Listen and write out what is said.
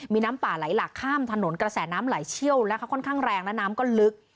มีน้ำป่าไหลหลากข้ามถนนกระแสน้ำไหลเชี่ยวและเขาค่อนข้างแรงและน้ำก็ลึก